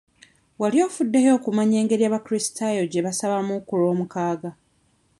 Wali ofuddeyo okumanya engeri abakulisitaayo gye basabamu ku lw'omukaaga?